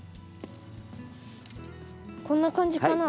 こんな感じかな？